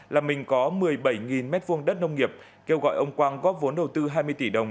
là mình có một mươi bảy m hai đất nông nghiệp kêu gọi ông quang góp vốn đầu tư hai mươi tỷ đồng